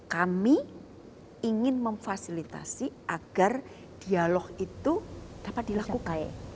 kami ingin memfasilitasi agar dialog itu dapat dilakukan